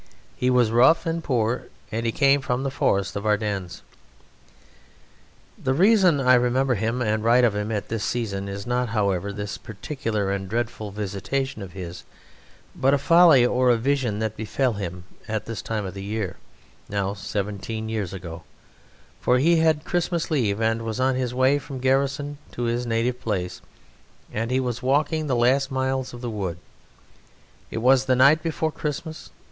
He was rough and poor, and he came from the Forest of Ardennes. The reason I remember him and write of him at this season is not, however, this particular and dreadful visitation of his, but a folly or a vision that befell him at this time of the year, now seventeen years ago; for he had Christmas leave and was on his way from garrison to his native place, and he was walking the last miles of the wood. It was the night before Christmas.